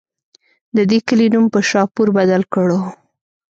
د دې کلي نوم پۀ شاهپور بدل کړو